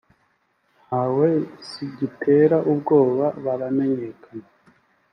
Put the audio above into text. ntawe zigitera ubwoba baramenyekanye